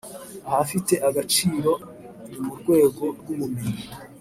Ahafite agaciro ni mu rwego rw’ ubumenyi